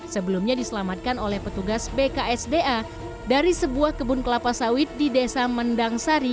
sebelumnya diselamatkan oleh petugas bksda dari sebuah kebun kelapa sawit di desa mendangsari